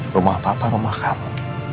rumah papa rumah kamu